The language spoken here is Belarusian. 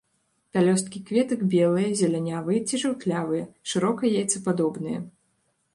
Пялёсткі кветак белыя, зелянявыя ці жаўтлявыя, шырока яйцападобныя.